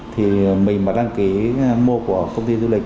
thì mình đăng ký mô của công ty du lịch